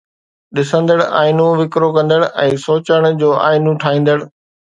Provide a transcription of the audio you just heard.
ڏسندڙ آئينو وڪرو ڪندڙ ۽ سوچڻ جو آئينو ٺاهيندڙ